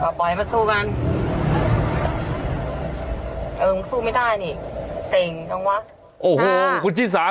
เอาปล่อยมาสู้กันเออสู้ไม่ได้นี่เตรียมต้องวะโอ้โหคุณชี่สา